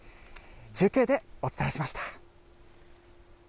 中継でお伝えしました。